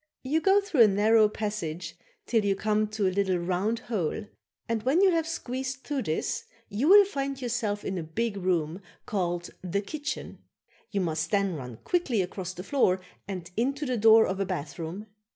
"You go through a narrow passage till you come to a little round hole and when you have squeezed through this you will find yourself in a big room called a kitchen. You must then run quickly across the floor and into the door of a bathroom.